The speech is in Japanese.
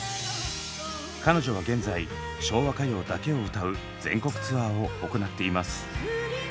彼女は現在昭和歌謡だけを歌う全国ツアーを行っています。